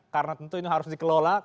karena tentu itu harus dikelola